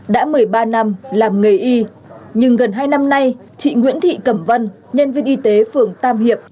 đã một mươi ba năm làm nghề y nhưng gần hai năm nay chị nguyễn thị cẩm vân nhân viên y tế phường tam hiệp